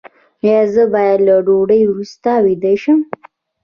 ایا زه باید له ډوډۍ وروسته ویده شم؟